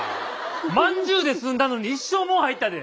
まんじゅうで済んだのに一生もん入ったで。